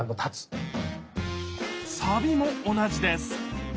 サビも同じです